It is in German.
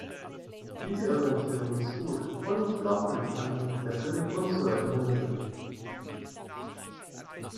Diese Orientierung ist gut, aber nicht glaubwürdig angesichts der völlig unzureichenden Mittel.